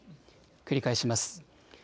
繰り返します。